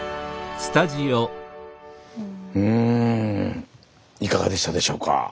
うんいかがでしたでしょうか？